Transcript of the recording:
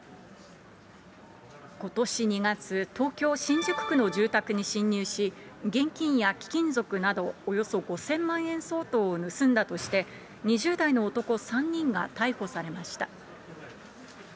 ことし２月、東京・新宿区の住宅に侵入し、現金や貴金属などおよそ５０００万円相当を盗んだとして、２０代の男３人が逮捕されました。